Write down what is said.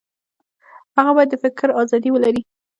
هغه باید د فکر ازادي ولري.